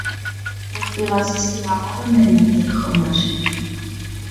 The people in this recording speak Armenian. Ոսկեվազցի պառավը մենակ է, խոնարհ։